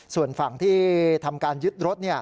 ส่วนฝั่งที่ทำการยึดรถ